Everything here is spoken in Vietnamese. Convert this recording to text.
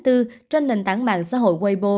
trên nền tảng mạng xã hội weibo